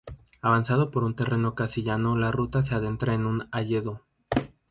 Avanzando por un terreno casi llano la ruta se adentra en un hayedo.